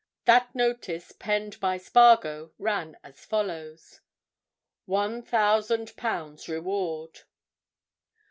That notice; penned by Spargo, ran as follows:— "ONE THOUSAND POUNDS REWARD.